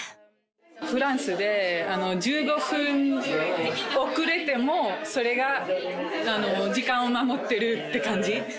フランスで１５分遅れても、それが時間を守ってるって感じ。